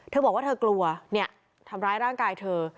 เธอบอกว่าเธอกลัวเนี่ยทำร้ายร่างกายเธอ